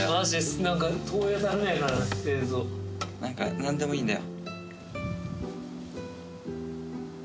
何でもいいんだよ。